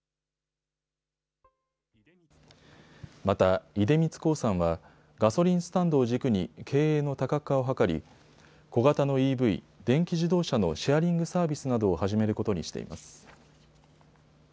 また、出光興産はガソリンスタンドを軸に経営の多角化を図り小型のＥＶ・電気自動車のシェアリングサービスなどを始めることにしています。